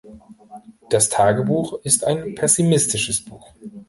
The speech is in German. Das "Tagebuch" ist ein pessimistisches Buch.